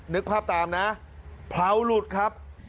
นึกภาพตามนะเผาหลุดครับ